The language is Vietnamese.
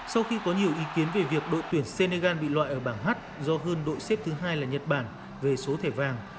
sau khi có nhiều ý kiến về việc đội tuyển senegal bị loại ở bảng h do hơn đội xếp thứ hai là nhật bản về số thẻ vàng